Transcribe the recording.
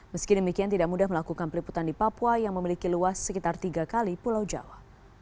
meski demikian tidak mudah melakukan peliputan di papua yang memiliki luas sekitar tiga kali pulau jawa